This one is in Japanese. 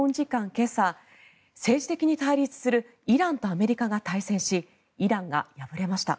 今朝政治的に対立するイランとアメリカが対戦しイランが敗れました。